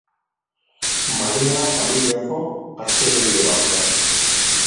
Maria familiako asteroide bat da.